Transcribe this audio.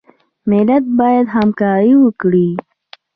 ملت باید همکاري وکړي